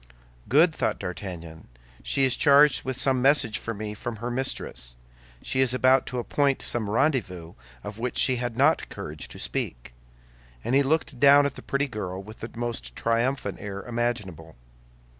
"Good!" thought D'Artagnan, "She is charged with some message for me from her mistress; she is about to appoint some rendezvous of which she had not courage to speak." And he looked down at the pretty girl with the most triumphant air imaginable.